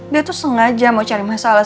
dia tuh sengaja mau cari masalah